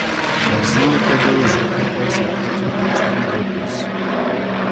Cozinhe tudo junto por cerca de vinte minutos.